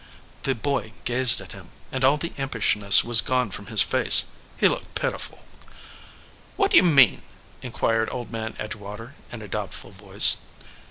The boy gazed at him, and all the impishness was gone from his face; he looked pitiful. "What d ye mean?" inquired Old Man Edge water, in a doubtful voice.